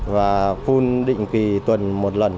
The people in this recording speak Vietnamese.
và phun định kỳ tuần một lần